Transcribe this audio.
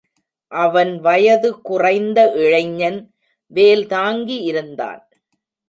அவன் வயது குறைந்த இளைஞன், வேல் தாங்கி இருந்தான்.